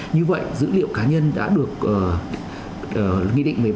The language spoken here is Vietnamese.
như vậy dữ liệu cá nhân đã được nghị định một mươi ba